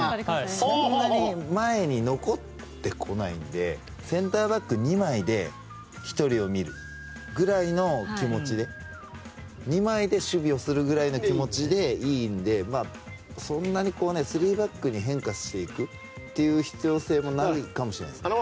そんなに前に残ってこないのでセンターバック２枚で１人を見るぐらいの気持ちで２枚で守備をするぐらいの気持ちでいいのでそんなに３バックに変化していくという必要性もないかもしれないですね。